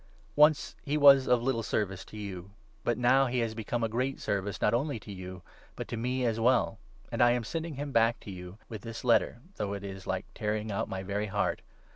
Once he was of little service to you, but u now he has become of great service, not only to you, but to me as well ; and I am sending him back to you with this 12 letter — though it is like tearing out my very heart.